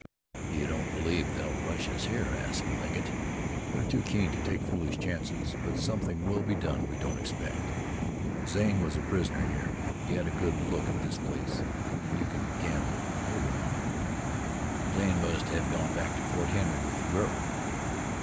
"You don't believe they'll rush us here?" asked Legget. "They're too keen to take foolish chances, but something will be done we don't expect. Zane was a prisoner here; he had a good look at this place, and you can gamble he'll remember." "Zane must hev gone back to Fort Henry with the girl."